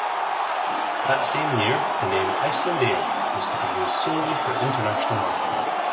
That same year the name "Icelandair" was to be used solely for international marketing.